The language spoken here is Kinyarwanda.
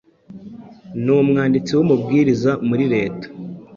numwanditsi wUmubwirizamuri reta